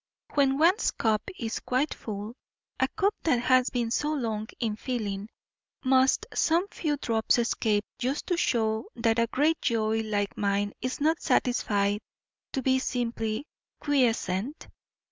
When one's cup is quite full, a cup that has been so long in filling, must some few drops escape just to show that a great joy like mine is not satisfied to be simply quiescent?